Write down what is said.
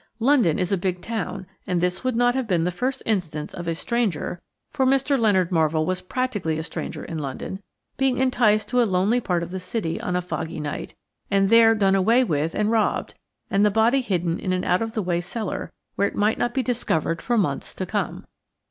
London is a big town, and this would not have been the first instance of a stranger–for Mr. Leonard Marvell was practically a stranger in London–being enticed to a lonely part of the city on a foggy night, and there done away with and robbed, and the body hidden in an out of the way cellar, where it might not be discovered for months to come.